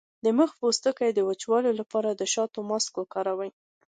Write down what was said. د مخ د پوستکي د وچوالي لپاره د شاتو ماسک وکاروئ